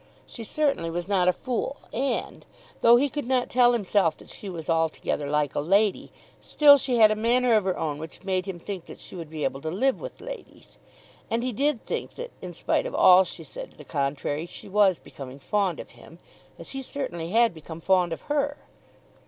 She certainly was not a fool. And, though he could not tell himself that she was altogether like a lady, still she had a manner of her own which made him think that she would be able to live with ladies. And he did think that, in spite of all she said to the contrary, she was becoming fond of him, as he certainly had become fond of her.